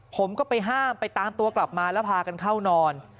ผมก็ไปห้ามไปตามตัวกลับมาแล้วพากันเข้านอน